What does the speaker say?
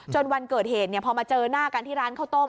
วันเกิดเหตุพอมาเจอหน้ากันที่ร้านข้าวต้ม